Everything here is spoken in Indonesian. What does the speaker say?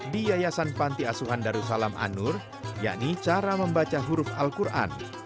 di yayasan panti asuhan darussalam anur yakni cara membaca huruf al quran